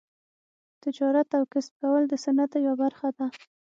تجارت او کسب کول د سنتو یوه برخه ده.